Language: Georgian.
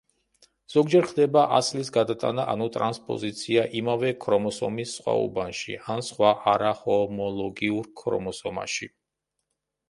ზოგჯერ ხდება ასლის გადატანა ანუ ტრანსპოზიცია იმავე ქრომოსომის სხვა უბანში ან სხვა არაჰომოლოგიურ ქრომოსომაში.